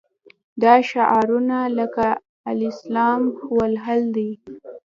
دا شعارونه لکه الاسلام هو الحل دي.